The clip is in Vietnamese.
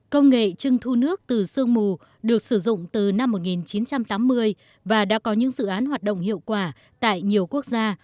công nghệ trưng thu nước từ sương mù được sử dụng từ năm một nghìn chín trăm tám mươi và đã có những dự án hoạt động hiệu quả tại nhiều quốc gia